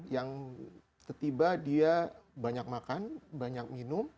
yang setiba dia banyak makan banyak minum